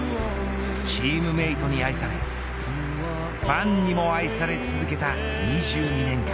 チームメートに愛されファンにも愛され続けた２２年間。